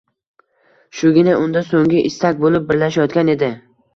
Shugina unda so’nggi istak bo’lib birlashayotgan edi.